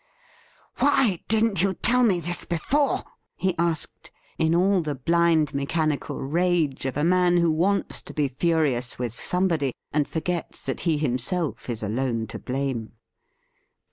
' Why didn't you tell me this before .?' he asked, in all the blind mechanical rage of a man who wants to be furious with somebody, and forgets that he himself is alone to blame.